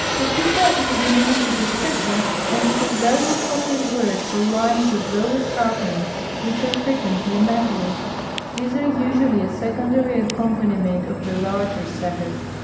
Cejita is the diminutive of ceja and is a very appropriate word for lines of low escarpments which are frequently met with. These are usually a secondaiy accompaniment of the larger cejas.